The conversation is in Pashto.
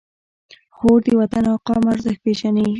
خور د وطن او قوم ارزښت پېژني.